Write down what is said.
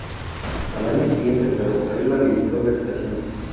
Al año siguiente el ferrocarril habilitó la estación.